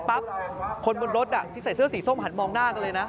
คนบนรถที่ใส่เสื้อสีส้มหันมองหน้ากันเลยนะ